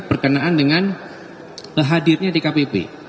berkenaan dengan hadirnya dkpp